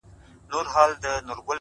• ملنګه ! د رباب ژړي د کله ﺯړه را کنې ,